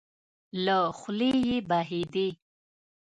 له خولې يې وبهېدې.